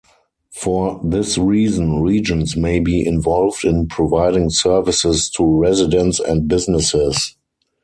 For this reason, regions may be involved in providing services to residents and businesses.